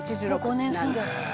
「もう５年住んでらっしゃる」